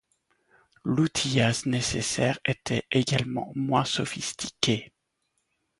L'outillage nécessaire était également moins sophistiqué.